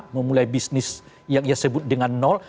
memulai bisnis yang disebut dengan nol